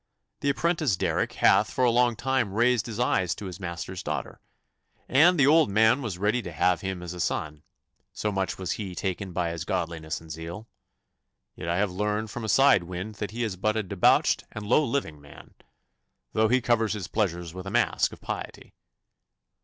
The apprentice Derrick hath for a long time raised his eyes to his master's daughter, and the old man was ready to have him as a son, so much was he taken by his godliness and zeal. Yet I have learned from a side wind that he is but a debauched and low living man, though he covers his pleasures with a mask of piety.